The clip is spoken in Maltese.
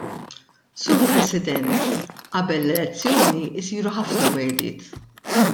Sur President, qabel l-elezzjoni jsiru ħafna wegħdiet.